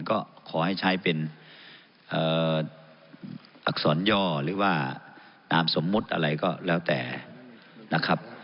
ก็ขอให้ใช้เป็นอักษรย่อหรือว่านามสมมุติอะไรก็แล้วแต่นะครับ